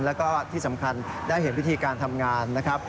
แล้วก็ที่สำคัญได้เห็นวิธีการทำงานนะครับ